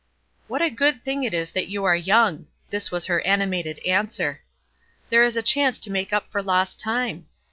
"What a good thing it is that you are young." This was her animated answer. "There is a chance to make up for lost time.